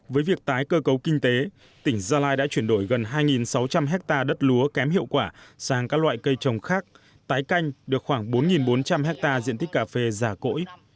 với việc tái cơ cấu kinh tế tỉnh gia lai đã chuyển đổi gần hai sáu trăm linh hectare đất lúa kém hiệu quả sang các loại cây trồng khác tái canh được khoảng bốn bốn trăm linh hectare diện tích cà phê già cỗi